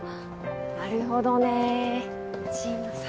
なるほどね神野さんか。